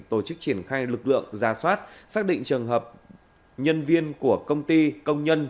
tổ chức triển khai lực lượng ra soát xác định trường hợp nhân viên của công ty công nhân